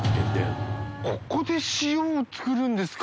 ここで塩をつくるんですか？